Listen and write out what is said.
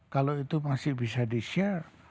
kalau itu masih bisa disiapkan